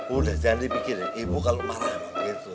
udah jangan dipikirin ibu kalau marah emang begitu